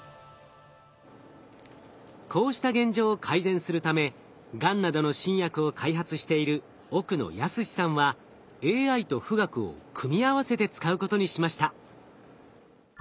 こうした現状を改善するためガンなどの新薬を開発している奥野恭史さんはＡＩと富岳を組み合わせて使うことにしました。